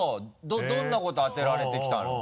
どんなこと当てられてきたの？